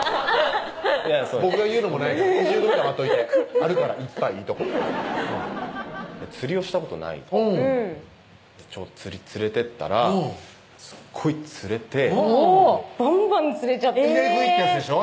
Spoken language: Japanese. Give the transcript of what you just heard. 僕が言うのもなんやけど移住組黙っといてあるからいっぱいいいとこ釣りをしたことないとちょうど釣り連れてったらすっごい釣れてバンバン釣れちゃって入れ食いってやつでしょ